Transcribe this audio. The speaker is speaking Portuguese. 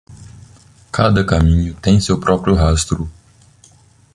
Cada caminho tem seu próprio rastro.